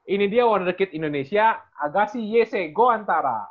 ini dia wonder kid indonesia agassi yc goantara